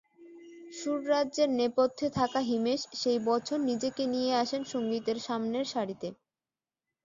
সুররাজ্যের নেপথ্যে থাকা হিমেশ সেই বছর নিজেকে নিয়ে আসেন সংগীতের সামনের সারিতে।